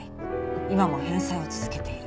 今も返済を続けている。